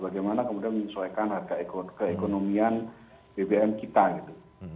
bagaimana kemudian menyesuaikan harga keekonomian bbm kita gitu